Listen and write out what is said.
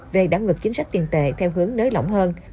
về đáng ngược chính sách tiền tệ theo hướng nới lỏng hơn